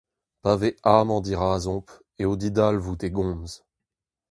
Pa vez amañ dirazomp, eo didalvoud e gomz.